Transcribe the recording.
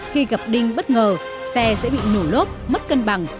khi gặp đinh bất ngờ xe sẽ bị nổ lốp mất cân bằng